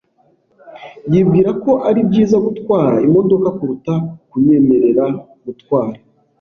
Yibwira ko ari byiza gutwara imodoka kuruta kunyemerera gutwara.